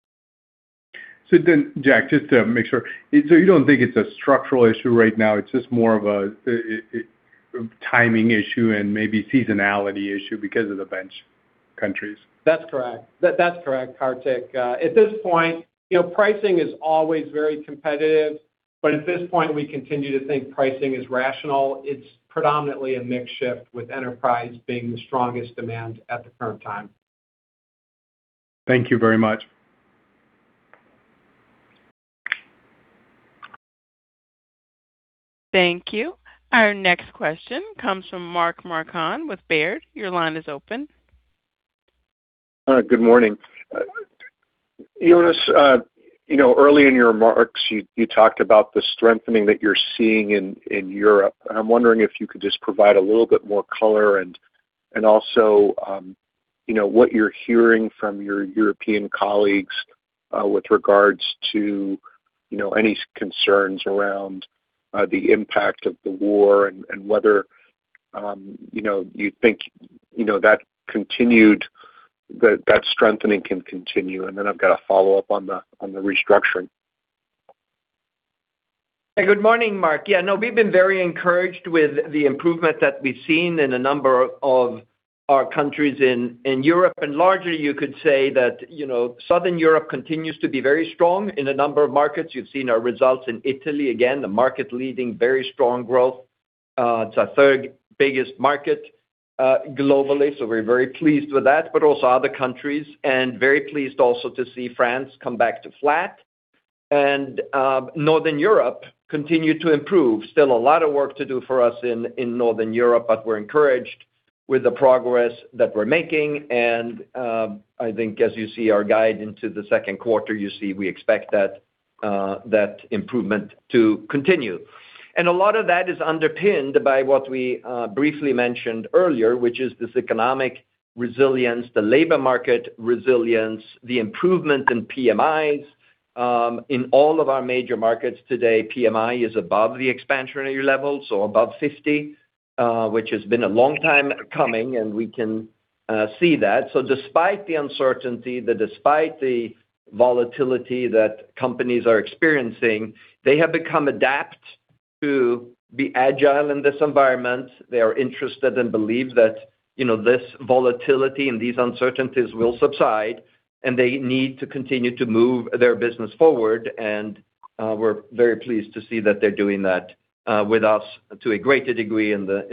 Jack, just to make sure. You don't think it's a structural issue right now, it's just more of a timing issue and maybe seasonality issue because of the bench countries? That's correct, Kartik. Pricing is always very competitive, but at this point, we continue to think pricing is rational. It's predominantly a mix shift with enterprise being the strongest demand at the current time. Thank you very much. Thank you. Our next question comes from Mark Marcon with Baird. Your line is open. All right, good morning. Jonas, early in your remarks, you talked about the strengthening that you're seeing in Europe, and I'm wondering if you could just provide a little bit more color and also what you're hearing from your European colleagues, with regards to any concerns around the impact of the war and whether you think that strengthening can continue, and then I've got a follow-up on the restructuring. Hey, good morning, Mark. Yeah, no, we've been very encouraged with the improvement that we've seen in a number of our countries in Europe. Largely you could say that Southern Europe continues to be very strong in a number of markets. You've seen our results in Italy, again, the market-leading, very strong growth. It's our third biggest market globally, so we're very pleased with that, but also other countries. Very pleased also to see France come back to flat and Northern Europe continue to improve. Still a lot of work to do for us in Northern Europe, but we're encouraged with the progress that we're making. I think as you see our guide into the Q2, you see we expect that improvement to continue. A lot of that is underpinned by what we briefly mentioned earlier, which is this economic resilience, the labor market resilience, the improvement in PMIs. In all of our major markets today, PMI is above the expansionary level, so above 50, which has been a long time coming, and we can see that. Despite the uncertainty, despite the volatility that companies are experiencing, they have become adapted to be agile in this environment. They are interested and believe that this volatility and these uncertainties will subside, and they need to continue to move their business forward. We're very pleased to see that they're doing that with us to a greater degree in the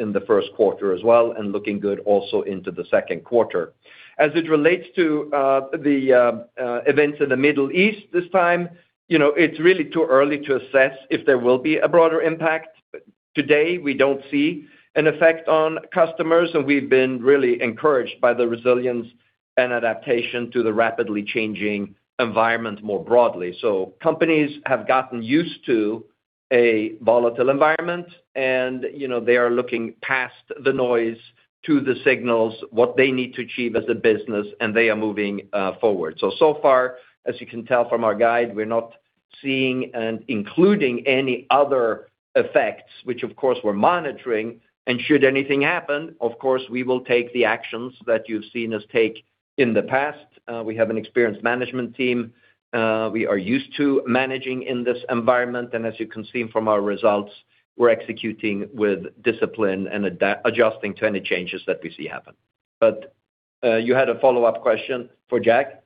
Q1 as well, and looking good also into the Q2. As it relates to the events in the Middle East this time, it's really too early to assess if there will be a broader impact. Today, we don't see an effect on customers, and we've been really encouraged by the resilience and adaptation to the rapidly changing environment more broadly. Companies have gotten used to a volatile environment, and they are looking past the noise to the signals, what they need to achieve as a business, and they are moving forward. So far, as you can tell from our guide, we're not seeing and including any other effects, which of course we're monitoring. Should anything happen, of course, we will take the actions that you've seen us take in the past. We have an experienced management team. We are used to managing in this environment. As you can see from our results, we're executing with discipline and adjusting to any changes that we see happen. You had a follow-up question for Jack?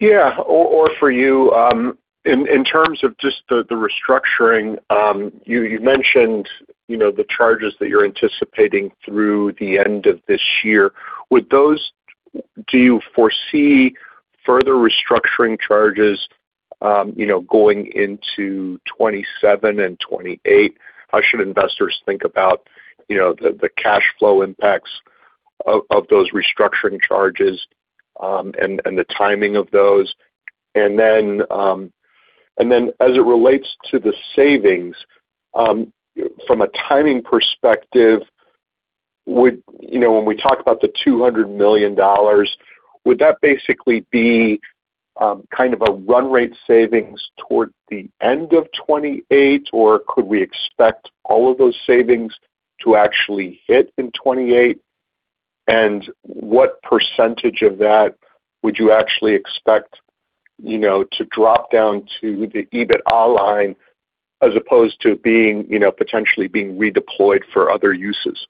Yeah. For you, in terms of just the restructuring, you mentioned the charges that you're anticipating through the end of this year. Do you foresee further restructuring charges going into 2027 and 2028? How should investors think about the cash flow impacts of those restructuring charges, and the timing of those? As it relates to the savings, from a timing perspective, when we talk about the $200 million, would that basically be kind of a run rate savings towards the end of 2028, or could we expect all of those savings to actually hit in 2028? What percentage of that would you actually expect to drop down to the EBITDA line as opposed to potentially being redeployed for other uses?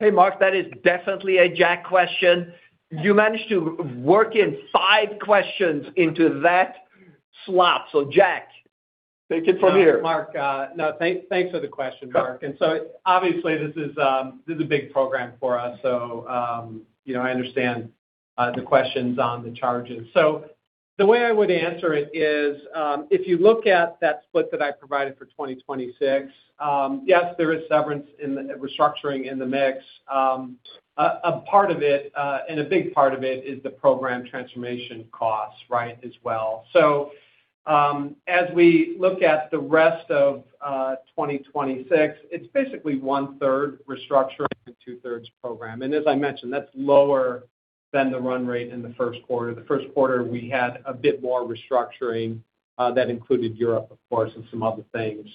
Hey, Mark, that is definitely a Jack question. You managed to work in five questions into that slot. Jack, take it from here. No, Mark, thanks for the question, Mark. Obviously this is a big program for us. I understand the questions on the charges. The way I would answer it is, if you look at that split that I provided for 2026, yes, there is severance in the restructuring in the mix. A part of it, and a big part of it is the program transformation costs as well. As we look at the rest of 2026, it's basically 1/3 restructuring and 2/3 program. As I mentioned, that's lower than the run rate in the Q1. The Q1, we had a bit more restructuring, that included Europe, of course, and some other things.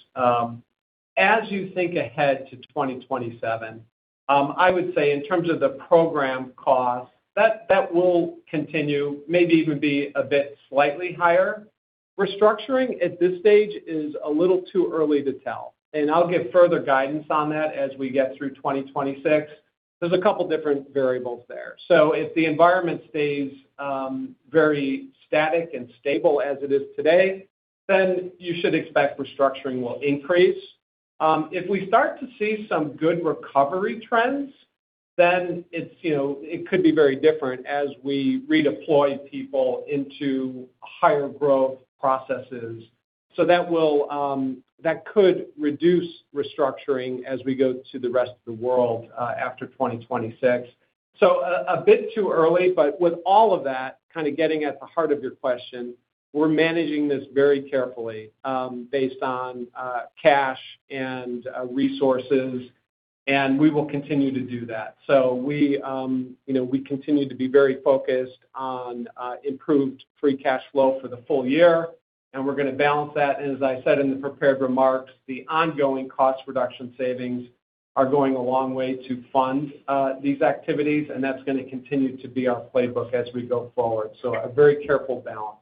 As you think ahead to 2027, I would say in terms of the program cost, that will continue, maybe even be a bit slightly higher. Restructuring at this stage is a little too early to tell, and I'll give further guidance on that as we get through 2026. There's a couple different variables there. If the environment stays very static and stable as it is today, then you should expect restructuring will increase. If we start to see some good recovery trends, then it could be very different as we redeploy people into higher growth processes. That could reduce restructuring as we go to the rest of the world after 2026. A bit too early, but with all of that, kind of getting at the heart of your question, we're managing this very carefully, based on cash and resources, and we will continue to do that. We continue to be very focused on improved free cash flow for the full year, and we're going to balance that. As I said in the prepared remarks, the ongoing cost reduction savings are going a long way to fund these activities, and that's going to continue to be our playbook as we go forward. A very careful balance.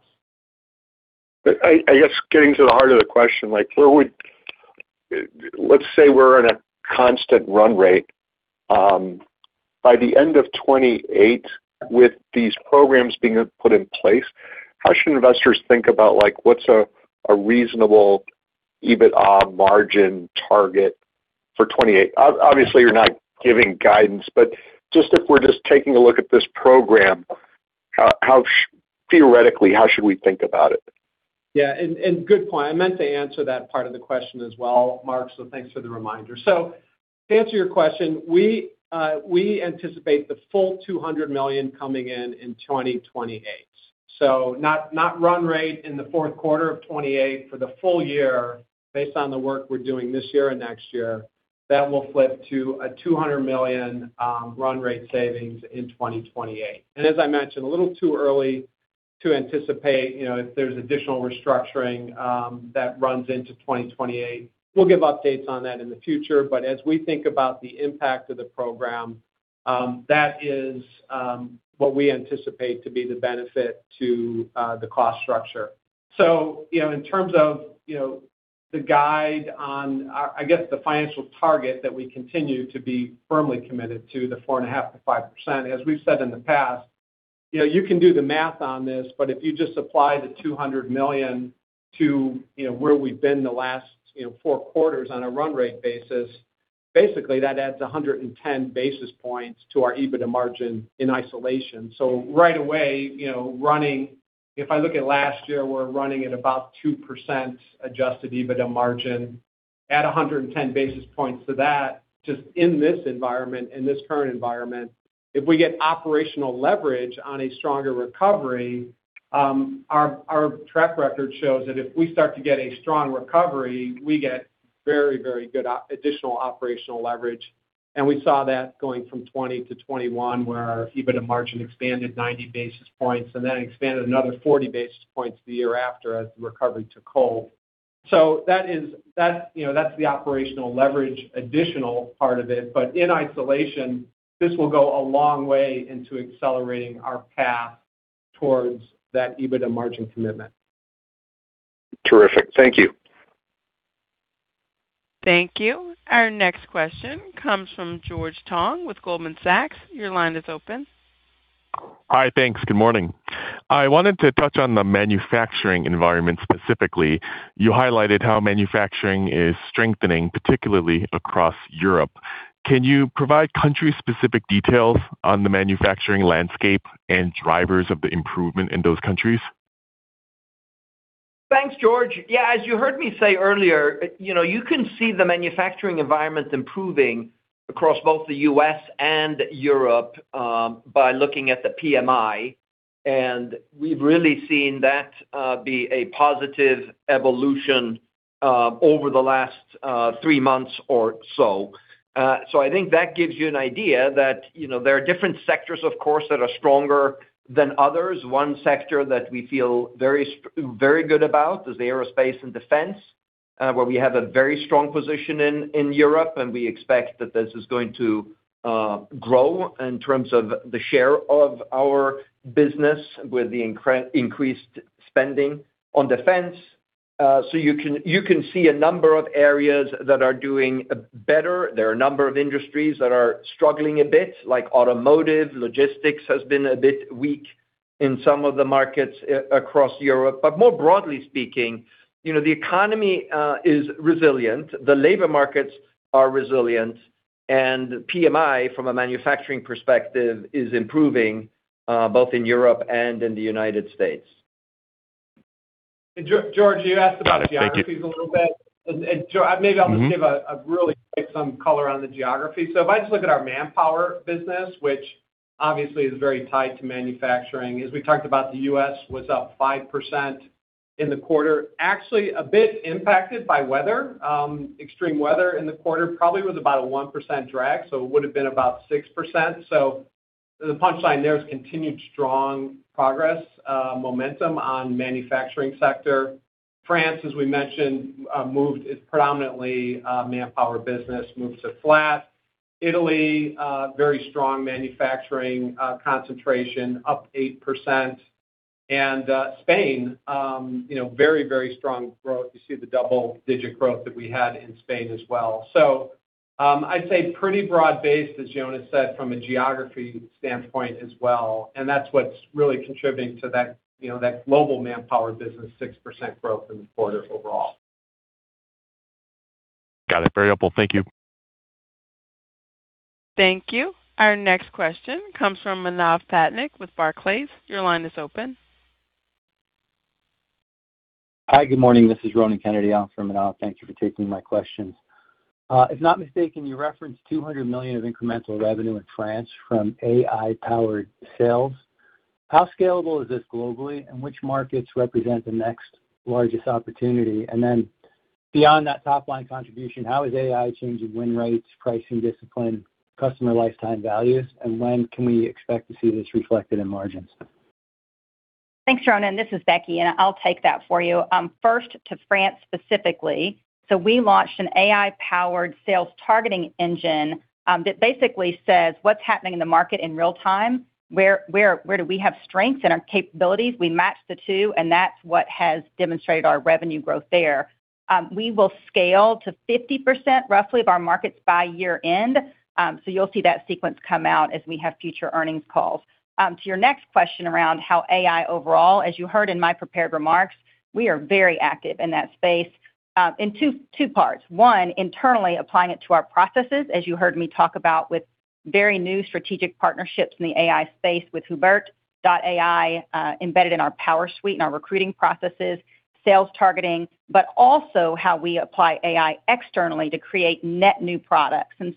I guess getting to the heart of the question, let's say we're in a constant run rate. By the end of 2028, with these programs being put in place, how should investors think about what's a reasonable EBITDA margin target for 2028? Obviously, you're not giving guidance, but if we're just taking a look at this program, theoretically, how should we think about it? Yeah, good point. I meant to answer that part of the question as well, Mark, so thanks for the reminder. To answer your question, we anticipate the full $200 million coming in in 2028. Not run rate in the Q4 of 2028 for the full year, based on the work we're doing this year and next year. That will flip to a $200 million run rate savings in 2028. As I mentioned, a little too early to anticipate if there's additional restructuring that runs into 2028. We'll give updates on that in the future. As we think about the impact of the program, that is what we anticipate to be the benefit to the cost structure. In terms of the guidance on, I guess, the financial target that we continue to be firmly committed to the 4.5%-5%, as we've said in the past. You can do the math on this, but if you just apply the $200 million to where we've been the last four quarters on a run rate basis, basically that adds 110 basis points to our EBITDA margin in isolation. Right away, if I look at last year, we're running at about 2% adjusted EBITDA margin. Add 110 basis points to that, just in this environment, in this current environment. If we get operational leverage on a stronger recovery, our track record shows that if we start to get a strong recovery, we get very good additional operational leverage. We saw that going from 2020 to 2021, where our EBITDA margin expanded 90 basis points and then expanded another 40 basis points the year after as the recovery took hold. That's the operational leverage additional part of it. In isolation, this will go a long way into accelerating our path towards that EBITDA margin commitment. Terrific. Thank you. Thank you. Our next question comes from George Tong with Goldman Sachs. Your line is open. Hi, thanks. Good morning. I wanted to touch on the manufacturing environment specifically. You highlighted how manufacturing is strengthening, particularly across Europe. Can you provide country-specific details on the manufacturing landscape and drivers of the improvement in those countries? Thanks, George. Yeah, as you heard me say earlier, you can see the manufacturing environment improving across both the U.S. and Europe, by looking at the PMI. We've really seen that be a positive evolution over the last three months or so. I think that gives you an idea that there are different sectors, of course, that are stronger than others. One sector that we feel very good about is aerospace and defense, where we have a very strong position in Europe, and we expect that this is going to grow in terms of the share of our business with the increased spending on defense. You can see a number of areas that are doing better. There are a number of industries that are struggling a bit, like automotive. Logistics has been a bit weak in some of the markets across Europe. More broadly speaking, the economy is resilient, the labor markets are resilient, and PMI from a manufacturing perspective is improving, both in Europe and in the United States. Thank you. George, you asked about geographies a little bit. George, maybe I'll just give a really quick some color on the geography. If I just look at our Manpower business, which obviously is very tied to manufacturing, as we talked about, the U.S. was up 5%. In the quarter, actually a bit impacted by weather. Extreme weather in the quarter probably was about a 1% drag, so it would've been about 6%. The punchline there is continued strong progress, momentum on manufacturing sector. France, as we mentioned, its predominantly Manpower business moved to flat. Italy, very strong manufacturing, contribution up 8%. Spain, very, very strong growth. You see the double-digit growth that we had in Spain as well. I'd say pretty broad-based, as Jonas said, from a geography standpoint as well, and that's what's really contributing to that global Manpower business, 6% growth in the quarter overall. Got it. Very helpful. Thank you. Thank you. Our next question comes from Manav Patnaik with Barclays. Your line is open. Hi. Good morning. This is Ronan Kennedy in for Manav. Thank you for taking my questions. If I'm not mistaken, you referenced $200 million of incremental revenue in France from AI-powered sales. How scalable is this globally, and which markets represent the next largest opportunity? Beyond that top-line contribution, how is AI changing win rates, pricing discipline, customer lifetime values, and when can we expect to see this reflected in margins? Thanks, Ronan. This is Becky, and I'll take that for you. First to France specifically. We launched an AI-powered sales targeting engine, that basically says what's happening in the market in real time, where do we have strengths in our capabilities. We match the two, and that's what has demonstrated our revenue growth there. We will scale to 50%, roughly of our markets by year-end. You'll see that sequence come out as we have future earnings calls. To your next question around how AI overall, as you heard in my prepared remarks, we are very active in that space, in two parts. One, internally applying it to our processes, as you heard me talk about with very new strategic partnerships in the AI space with Hubert, embedded in our PowerSuite and our recruiting processes, sales targeting, but also how we apply AI externally to create net new products. The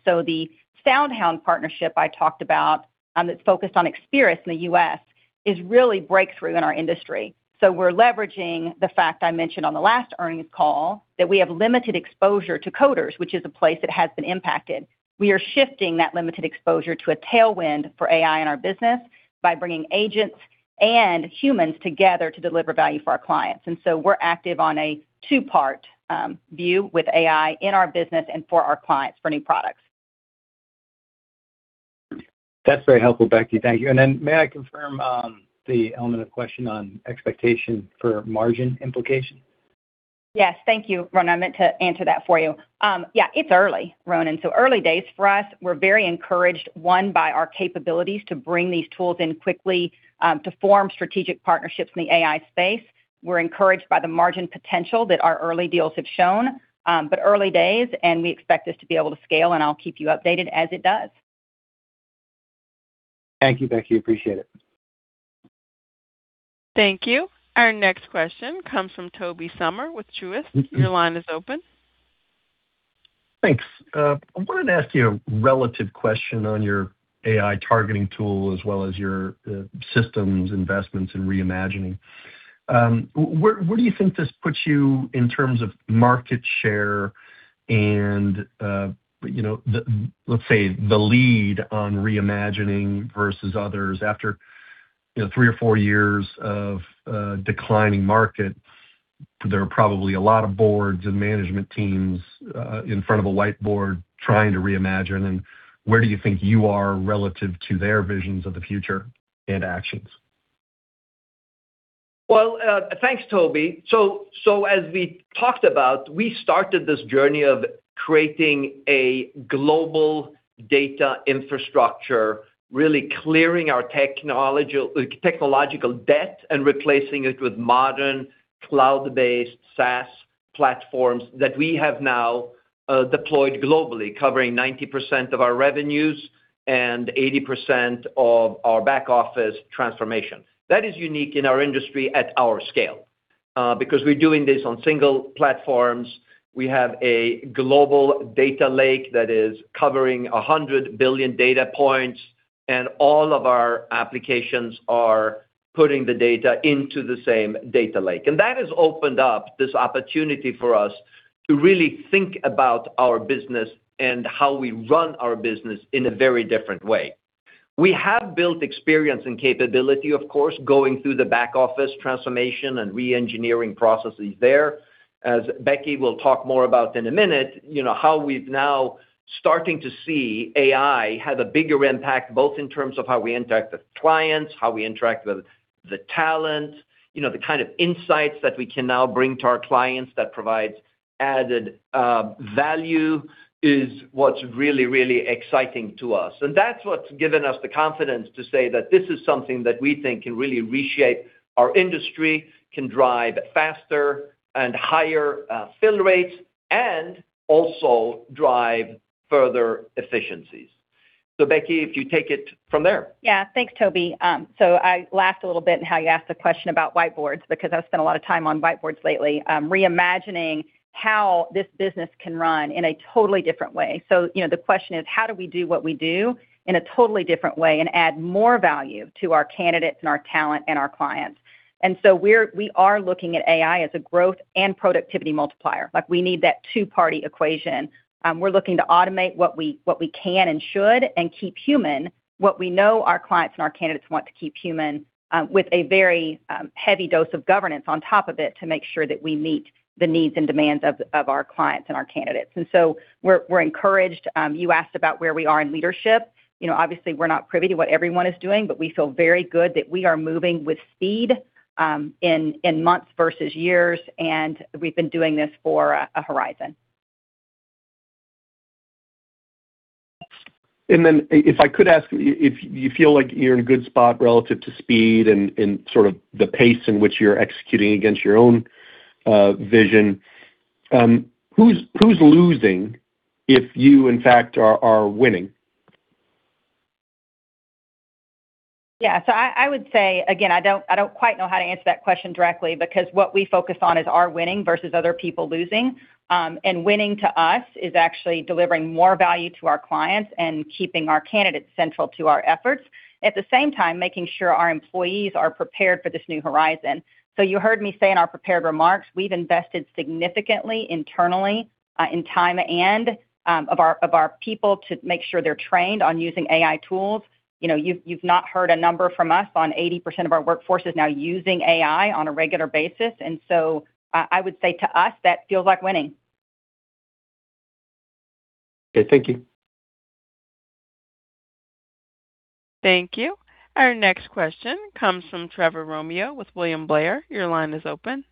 SoundHound partnership I talked about, that's focused on Experis in the U.S., is a real breakthrough in our industry. We're leveraging the fact I mentioned on the last earnings call that we have limited exposure to coders, which is a place that has been impacted. We are shifting that limited exposure to a tailwind for AI in our business by bringing agents and humans together to deliver value for our clients. We're active on a two-part view with AI in our business and for our clients for new products. That's very helpful, Becky. Thank you. May I confirm on the element of question on expectation for margin implication? Yes. Thank you, Ronan. I meant to answer that for you. Yeah, it's early, Ronan, so early days for us. We're very encouraged, one, by our capabilities to bring these tools in quickly, to form strategic partnerships in the AI space. We're encouraged by the margin potential that our early deals have shown, but early days, and we expect this to be able to scale, and I'll keep you updated as it does. Thank you, Becky. Appreciate it. Thank you. Our next question comes from Tobey Sommer with Truist. Your line is open. Thanks. I wanted to ask you a related question on your AI targeting tool as well as your systems investments and reimagining. Where do you think this puts you in terms of market share and, let's say, the lead on reimagining versus others after three or four years of declining market? There are probably a lot of boards and management teams in front of a whiteboard trying to reimagine. Where do you think you are relative to their visions of the future and actions? Well, thanks, Tobey. As we talked about, we started this journey of creating a global data infrastructure, really clearing our technological debt and replacing it with modern cloud-based SaaS platforms that we have now deployed globally, covering 90% of our revenues and 80% of our back-office transformation. That is unique in our industry at our scale. Because we're doing this on single platforms. We have a global data lake that is covering 100 billion data points, and all of our applications are putting the data into the same data lake. That has opened up this opportunity for us to really think about our business and how we run our business in a very different way. We have built experience and capability, of course, going through the back-office transformation and re-engineering processes there. As Becky will talk more about in a minute, how we're now starting to see AI have a bigger impact, both in terms of how we interact with clients, how we interact with the talent. The kind of insights that we can now bring to our clients that provide added value is what's really, really exciting to us. That's what's given us the confidence to say that this is something that we think can really reshape our industry, can drive faster and higher fill rates, and also drive further efficiencies. Becky, if you take it from there. Yeah. Thanks, Tobey. I laughed a little bit in how you asked the question about whiteboards because I've spent a lot of time on whiteboards lately, reimagining how this business can run in a totally different way. The question is, how do we do what we do in a totally different way and add more value to our candidates and our talent and our clients? We are looking at AI as a growth and productivity multiplier. We need that two-party equation. We're looking to automate what we can and should, and keep human what we know our clients and our candidates want to keep human, with a very heavy dose of governance on top of it to make sure that we meet the needs and demands of our clients and our candidates. We're encouraged. You asked about where we are in leadership. Obviously, we're not privy to what everyone is doing, but we feel very good that we are moving with speed, in months versus years, and we've been doing this for a horizon. If I could ask, if you feel like you're in a good spot relative to speed and sort of the pace in which you're executing against your own vision, who's losing if you, in fact, are winning? Yeah. I would say, again, I don't quite know how to answer that question directly because what we focus on is our winning versus other people losing. Winning, to us, is actually delivering more value to our clients and keeping our candidates central to our efforts. At the same time, making sure our employees are prepared for this new horizon. You heard me say in our prepared remarks, we've invested significantly internally, in time and of our people, to make sure they're trained on using AI tools. You've not heard a number from us on 80% of our workforce is now using AI on a regular basis. I would say to us, that feels like winning. Okay. Thank you. Thank you. Our next question comes from Trevor Romeo with William Blair. Your line is open.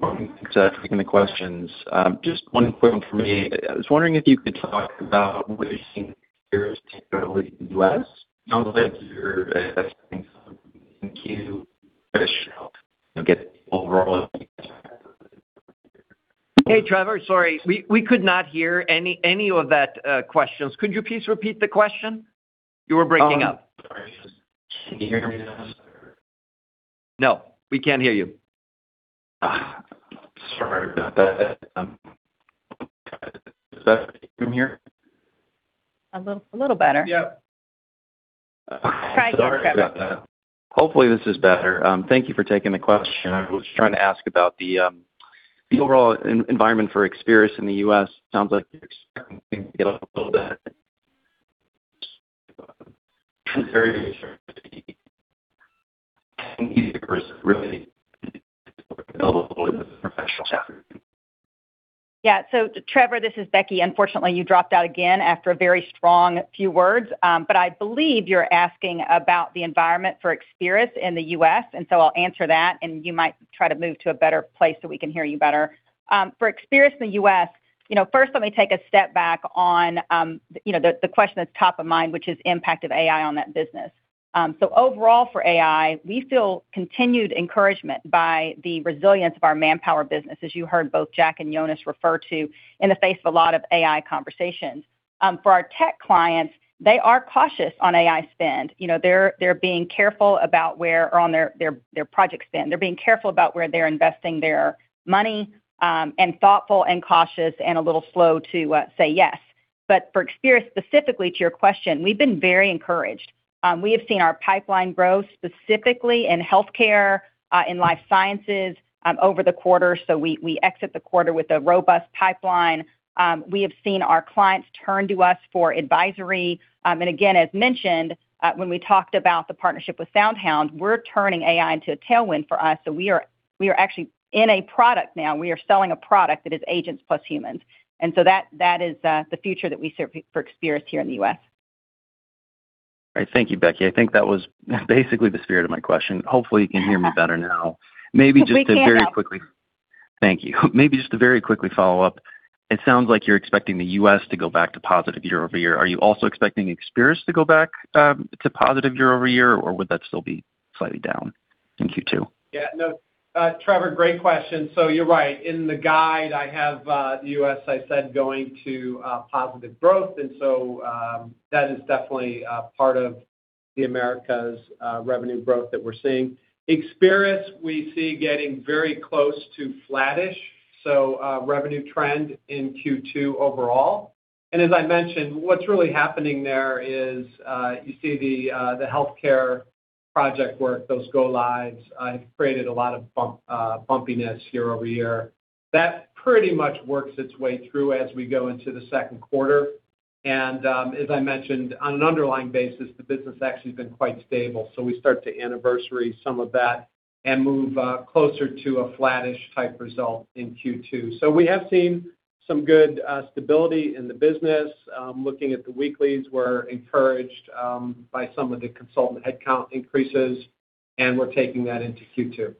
Thanks for taking the questions. Just one quick one for me. I was wondering if you could talk about what you think U.S. sounds like you're getting overall. Hey, Trevor, sorry. We could not hear any of that question. Could you please repeat the question? You were breaking up. Sorry. Can you hear me now, sir? No, we can't hear you. Sorry about that. Is that better from here? A little better. Yep. Try again, Trevor. Sorry about that. Hopefully, this is better. Thank you for taking the question. I was trying to ask about the overall environment for Experis in the U.S. Sounds like you're expecting really positive chapter. Yeah. Trevor, this is Becky. Unfortunately, you dropped out again after a very strong few words. I believe you're asking about the environment for Experis in the U.S., and I'll answer that, and you might try to move to a better place so we can hear you better. For Experis in the U.S., first let me take a step back on the question that's top of mind, which is impact of AI on that business. Overall for AI, we feel continued encouragement by the resilience of our Manpower business, as you heard both Jack and Jonas refer to in the face of a lot of AI conversations. For our tech clients, they are cautious on AI spend. They're being careful about where on their project spend. They're being careful about where they're investing their money, and thoughtful and cautious and a little slow to say yes. For Experis, specifically to your question, we've been very encouraged. We have seen our pipeline grow, specifically in healthcare, in life sciences, over the quarter. We exit the quarter with a robust pipeline. We have seen our clients turn to us for advisory. Again, as mentioned, when we talked about the partnership with SoundHound, we're turning AI into a tailwind for us. We are actually in a product now. We are selling a product that is agents plus humans. That is the future that we see for Experis here in the U.S. All right. Thank you, Becky. I think that was basically the spirit of my question. Hopefully, you can hear me better now. If we can't. Thank you. Maybe just to very quickly follow up. It sounds like you're expecting the U.S. to go back to positive year-over-year. Are you also expecting Experis to go back to positive year-over-year, or would that still be slightly down in Q2? Yeah, no. Trevor, great question. You're right. In the guide, I have the U.S., I said, going to positive growth. That is definitely a part of the Americas' revenue growth that we're seeing. Experis, we see getting very close to flattish. Revenue trend in Q2 overall. As I mentioned, what's really happening there is, you see the healthcare project work, those go lives, have created a lot of bumpiness year-over-year. That pretty much works its way through as we go into the Q2. As I mentioned, on an underlying basis, the business actually has been quite stable. We start to anniversary some of that and move closer to a flattish type result in Q2. We have seen some good stability in the business. Looking at the weeklies, we're encouraged by some of the consultant headcount increases, and we're taking that into Q2.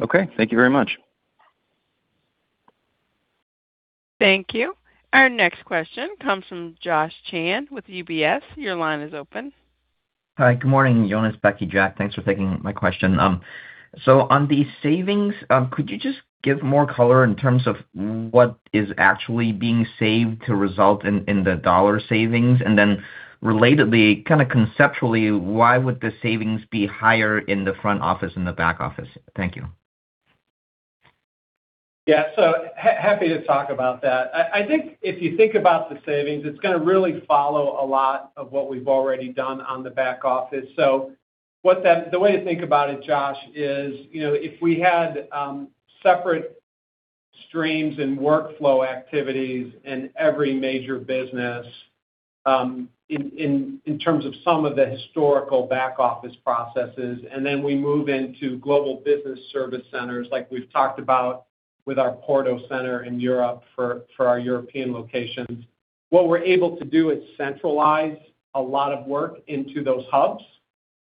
Okay. Thank you very much. Thank you. Our next question comes from Josh Chan with UBS. Your line is open. Hi. Good morning, Jonas, Becky, Jack. Thanks for taking my question. On the savings, could you just give more color in terms of what is actually being saved to result in the dollar savings? Then relatedly, conceptually, why would the savings be higher in the front office than the back office? Thank you. Yeah. Happy to talk about that. I think if you think about the savings, it's going to really follow a lot of what we've already done on the back office. The way to think about it, Josh, is, if we had separate streams and workflow activities in every major business in terms of some of the historical back-office processes, and then we move into global business service centers like we've talked about with our Porto Center in Europe for our European locations, what we're able to do is centralize a lot of work into those hubs,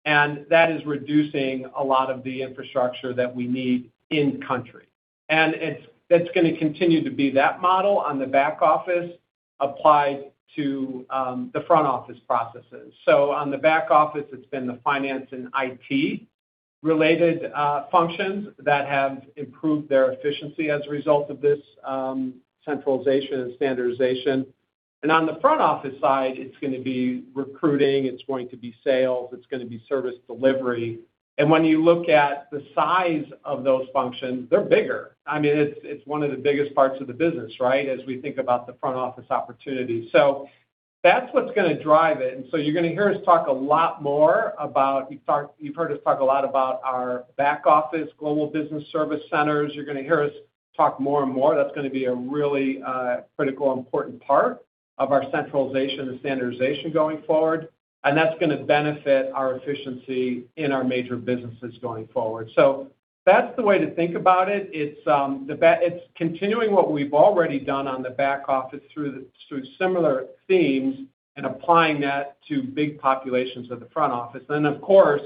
and that is reducing a lot of the infrastructure that we need in-country. That's going to continue to be that model on the back office applied to the front office processes. On the back office, it's been the finance and IT-related functions that have improved their efficiency as a result of this centralization and standardization. On the front office side, it's going to be recruiting, it's going to be sales, it's going to be service delivery. When you look at the size of those functions, they're bigger. It's one of the biggest parts of the business, right, as we think about the front office opportunity. That's what's going to drive it. You're going to hear us talk a lot more about. You've heard us talk a lot about our back-office global business service centers. You're going to hear us talk more and more. That's going to be a really critical, important part of our centralization and standardization going forward, and that's going to benefit our efficiency in our major businesses going forward. That's the way to think about it. It's continuing what we've already done on the back office through similar themes and applying that to big populations of the front office. Of course,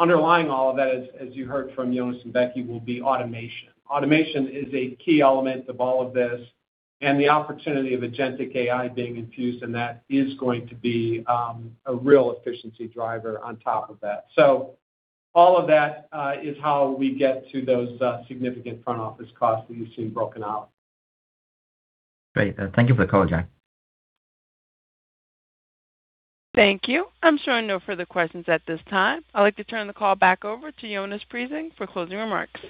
underlying all of that, as you heard from Jonas and Becky, will be automation. Automation is a key element of all of this, and the opportunity of agentic AI being infused in that is going to be a real efficiency driver on top of that. All of that is how we get to those significant front office costs that you see broken out. Great. Thank you for the call, Jack. Thank you. I'm showing no further questions at this time. I'd like to turn the call back over to Jonas Prising for closing remarks.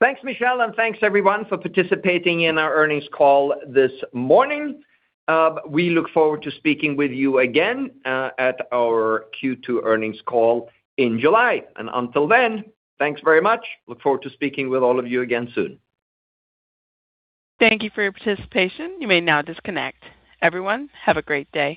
Thanks, Michelle, and thanks everyone for participating in our earnings call this morning. We look forward to speaking with you again at our Q2 earnings call in July. Until then, thanks very much. Look forward to speaking with all of you again soon. Thank you for your participation. You may now disconnect. Everyone, have a great day.